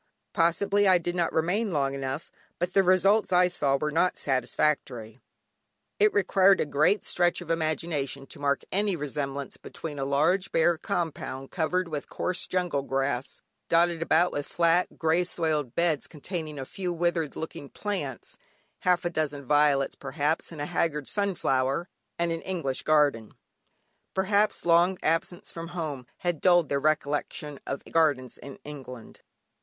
Possibly, I did not remain long enough, but the results I saw were not satisfactory; it required a great stretch of imagination to mark any resemblance between a large bare compound covered with coarse jungle grass, dotted about with flat grey soiled beds containing a few withered looking plants (half a dozen violets perhaps, and a haggard sunflower), and an English garden. Perhaps long absence from home had dulled their recollection of gardens in England.